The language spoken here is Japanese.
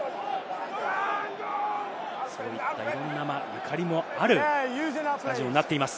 そういったいろんなゆかりもあるスタジアムになっています。